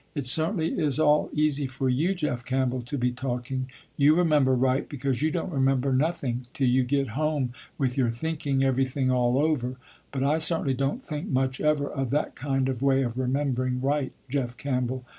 "It certainly is all easy for you Jeff Campbell to be talking. You remember right, because you don't remember nothing till you get home with your thinking everything all over, but I certainly don't think much ever of that kind of way of remembering right, Jeff Campbell.